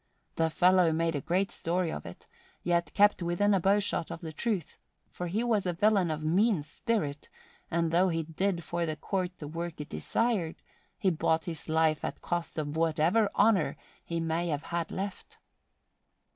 The fellow made a great story of it, yet kept within a bowshot of the truth; but he was a villain of mean spirit and, though he did for the Court the work it desired, he bought his life at cost of whatever honour he may have had left.